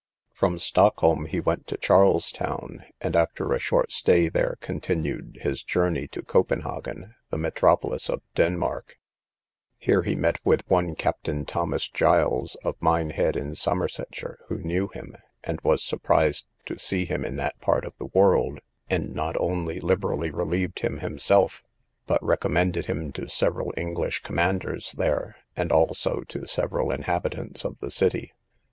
From Stockholm he went to Charles town, and after a short stay there continued his journey to Copenhagen, the metropolis of Denmark; here he met with one Captain Thomas Giles, of Minehead in Somersetshire, who knew him, and was surprised to see him in that part of the world, and not only liberally relieved him himself, but recommended him to several English commanders there, and also to several inhabitants of the city.